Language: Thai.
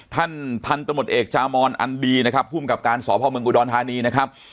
ท่านพันธมตเอกจามอนอันดีนะครับภูมิกับการสพเมืองอุดรธานีนะครับ